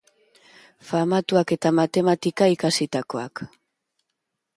Famatuak eta matematika ikasitakoak.